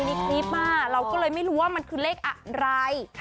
ในคลิปเราก็เลยไม่รู้ว่ามันคือเลขอะไร